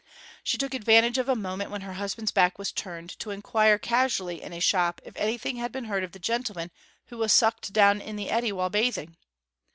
She took advantage of a moment when her husband's back was turned to inquire casually in a shop if anything had been heard of the gentleman who was sucked down in the eddy while bathing.